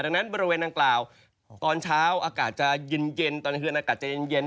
ดังนั้นบริเวณด้านกล่าวตอนเช้าอากาศจะเย็นเย็นตอนเทือนอากาศจะเย็นเย็น